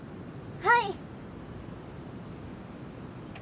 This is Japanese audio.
はい！